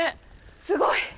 すごい。